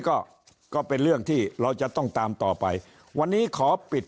ก็ก็เป็นเรื่องที่เราจะต้องตามต่อไปวันนี้ขอปิด